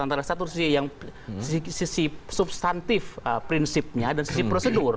antara satu sisi yang sisi substantif prinsipnya dan sisi prosedur